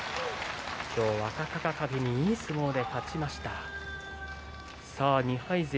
今日、若隆景にいい相撲で勝ちました、翠富士。